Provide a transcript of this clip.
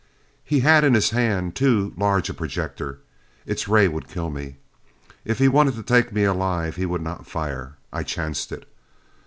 He had in his hand too large a projector. Its ray would kill me. If he wanted to take me alive, he would not fire. I chanced it.